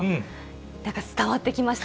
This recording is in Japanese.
なんか、伝わってきました。